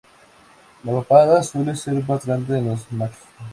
La papada suele ser más grande en los machos.